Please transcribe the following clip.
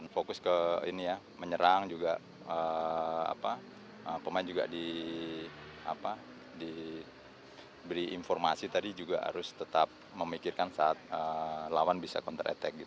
fokus ke ini ya menyerang juga pemain juga diberi informasi tadi juga harus tetap memikirkan saat lawan bisa counter attack